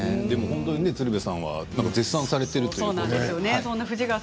鶴瓶さんは絶賛されているということです。